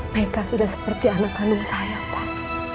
mereka sudah seperti anak kandung saya pak